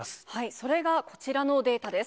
それがこちらのデータです。